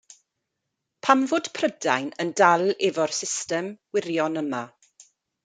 Pam fod Prydain yn dal efo'r system wirion yma?